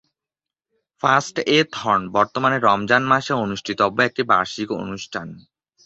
Fast-a-thon বর্তমানে রমজান মাসে অনুষ্ঠিতব্য একটি বার্ষিক অনুষ্ঠান।